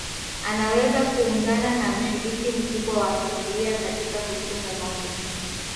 Anaweza kuungana na mshiriki mkubwa wa familia katika kuchunga ngombe